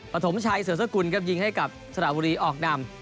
ปฐมชัยเสือสกุลครับยิงให้กับสระบุรีออกนำ